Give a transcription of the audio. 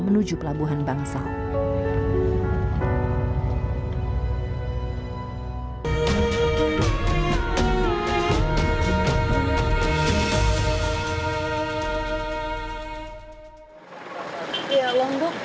menuju pelabuhan bangsal